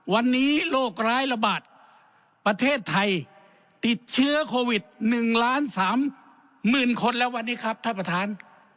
วันนี้โรคร้ายระบาดประเทศไทยติดเชื้อโควิด๑ล้านสามหมื่นคนแล้ววันนี้ครับท่านประธาน